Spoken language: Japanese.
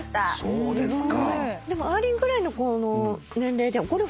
そうですね。